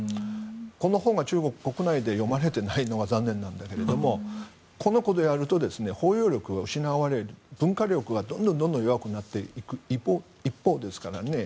この本が中国国内で読まれていないのが残念なんだけど包容力が失われる文化力がどんどん失われていく一方ですからね。